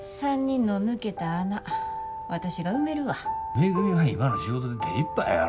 めぐみは今の仕事で手いっぱいやろ。